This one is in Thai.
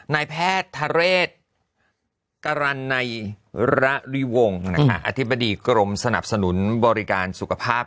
นายแพทย์ทะเรศกรรณัยระวิวงศ์อธิบดีกรมสนับสนุนบริการสุขภาพ